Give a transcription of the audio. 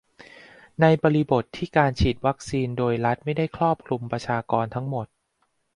ในบริบทที่การฉีดวีคซีนโดยรัฐไม่ได้ครอบคลุมประชากรทั้งหมด